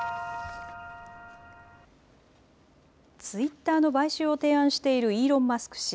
ツイッターの買収を提案しているイーロン・マスク氏。